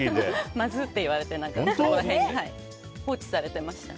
まずって言われてそこら辺に放置されていました。